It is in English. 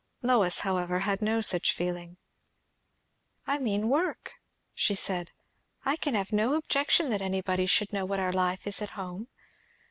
Lois, however, had no such feeling. "I mean work," she said. "I can have no objection that anybody should know what our life is at home.